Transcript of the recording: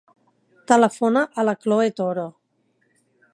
Telefona a la Khloe Toro.